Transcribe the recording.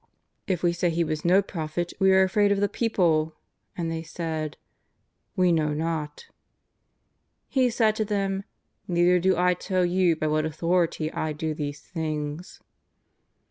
If we say he was no prophet we are afraid of the people. And they said: " We know not." He said to them :^^ Neither do I tell you by what authority I do these things."